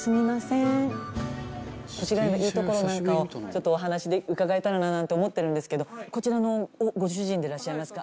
越谷のいいところなんかをちょっとお話で伺えたらななんて思ってるんですけどこちらのご主人でいらっしゃいますか？